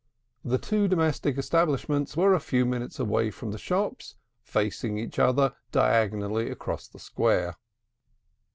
The two domestic establishments were a few minutes away from the shops, facing each other diagonally across the square.